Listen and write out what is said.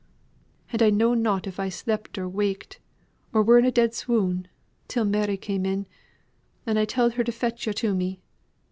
And I know not if I slept or waked, or were in a dead swoon, till Mary come in; and I telled her to fetch yo' to me.